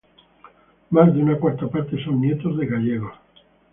Más de una cuarta parte son nietos de gallegos.